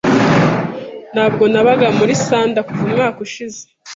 Ntabwo nabaga muri Sanda kuva umwaka ushize.